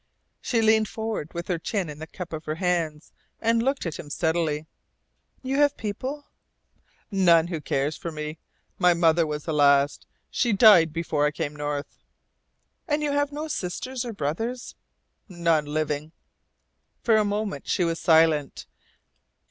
She leaned forward, with her chin in the cup of her hands, and looked at him steadily. "You have people?" "None who cares for me. My mother was the last. She died before I came North." "And you have no sisters or brothers?" "None living." For a moment she was silent.